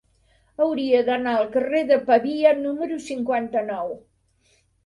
Hauria d'anar al carrer de Pavia número cinquanta-nou.